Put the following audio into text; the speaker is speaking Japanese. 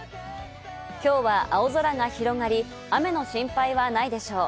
今日は青空が広がり、雨の心配はないでしょう。